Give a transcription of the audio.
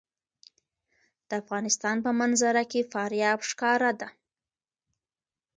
د افغانستان په منظره کې فاریاب ښکاره ده.